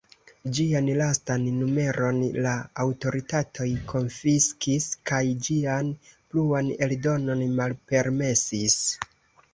Ĝian lastan numeron la aŭtoritatoj konfiskis kaj ĝian pluan eldonon malpermesis.